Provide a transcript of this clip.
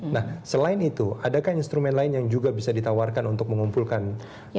nah selain itu adakah instrumen lain yang juga bisa ditawarkan untuk mengumpulkan